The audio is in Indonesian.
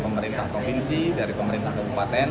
pemerintah provinsi dari pemerintah kabupaten